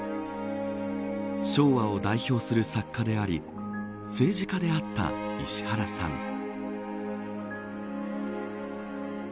昭和を代表する作家であり政治家であった石原さん。